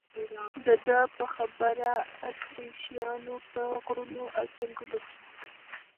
د ده په خبره اتریشیانو په غرونو او ځنګلونو کې.